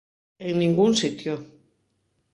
En ningún sitio.